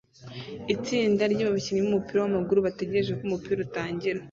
itsinda ryabakinnyi bumupira wamaguru bategereje ko umukino utangira